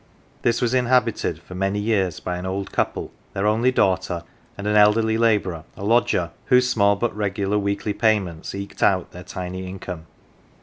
This was inhabited for many years by an old couple, their only daughter, and an elderly labourer, a lodger, whose small but regular weekly payments eked out their tiny income.